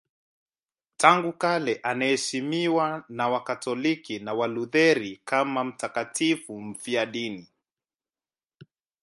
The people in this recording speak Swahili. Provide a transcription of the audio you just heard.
Tangu kale anaheshimiwa na Wakatoliki na Walutheri kama mtakatifu mfiadini.